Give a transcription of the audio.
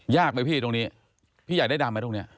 ยากไหมพี่ตรงนี้พี่อยากได้ดำไหมตรงนี้